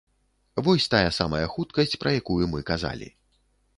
Вось тая самая хуткасць, пра якую мы казалі.